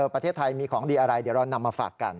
ประเทศไทยมีของดีอะไรเดี๋ยวเรานำมาฝากกัน